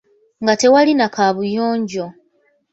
Nga tewali na kaabuyonjo.